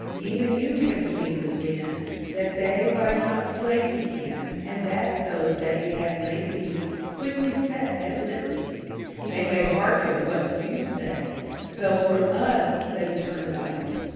Even you can plead with men That they buy not slaves again, And that those they have may be Quickly set at liberty. They may hearken what you say, Though from us they turn away.